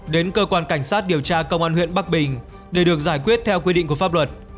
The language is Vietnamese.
đến cơ quan cảnh sát điều tra công an huyện bắc bình để được giải quyết theo quy định của pháp luật